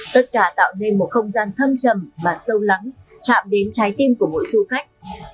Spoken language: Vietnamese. tất cả tạo nên một không gian thâm trầm mà sâu lắng chạm đến trái tim của mỗi du khách